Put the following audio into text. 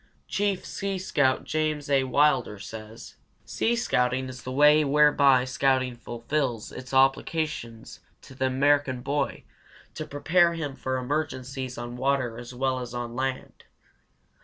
Chief Sea Scout James A. Wilder says: Sea scouting is the way whereby scouting fulfills its obligation to the American boy to prepare him for emergencies on water as well as on land.